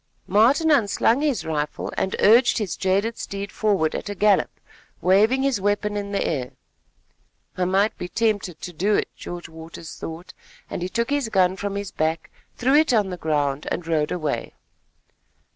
Martin unslung his rifle and urged his jaded steed forward at a gallop, waving his weapon in the air. "I might be tempted to do it," George Waters thought, and he took his gun from his back, threw it on the ground and rode away.